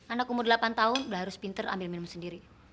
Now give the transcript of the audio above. anak umur delapan tahun udah harus pinter ambil minum sendiri